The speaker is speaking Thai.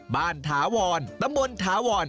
บ้านธาวรตำบลธาวร